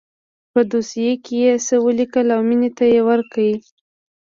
په دوسيه کښې يې څه وليکل او مينې ته يې ورکړه.